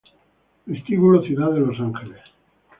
Vestíbulo Ciudad de los Ángeles